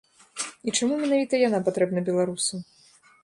І чаму менавіта яна патрэбна беларусам?